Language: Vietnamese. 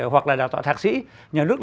hoặc là đào tạo thạc sĩ nhà nước